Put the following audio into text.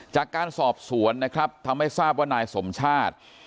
จากการสอบสวนนะครับทำให้ทราบว่านายสมชาติ